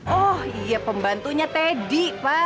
oh iya pembantunya teddy pak